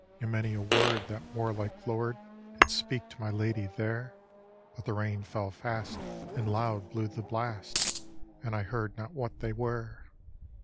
"And many a word that warlike lord Did speak to my lady there; But the rain fell fast and loud blew the blast, And I heard not what they were.